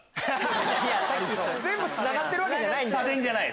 全部つながってるわけじゃない。